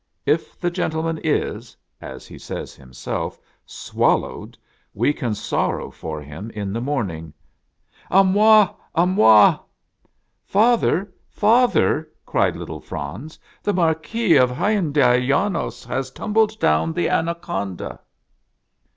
If the gentleman is (as he says himself) swallowed, we can sorrow for him in the morning." " A moi ! a moi !"" Father, father !" cried little Franz, " the Mar quis of Hunyadi Janos has tumbled down the Ana conda